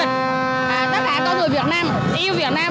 các bạn có người việt nam yêu việt nam